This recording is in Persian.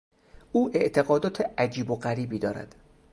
او اعتقادات عجیب و غریبی دارد.